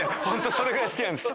それぐらい好きなんです。